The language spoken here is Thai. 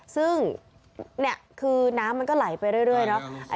ซึ่งนี่คือน้ำมันก็ไหลไปเรื่อยเนาะ